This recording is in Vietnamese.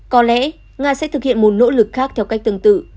có lẽ nga sẽ thực hiện một nỗ lực khác theo cách tương tự